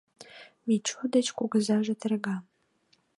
— Мичу деч кугызаже терга.